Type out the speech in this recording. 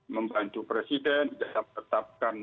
membantu presiden tetapkan